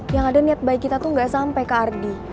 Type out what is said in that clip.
yang ada niat baik kita gat sampe ke ardi